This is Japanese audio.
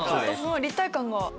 立体感が。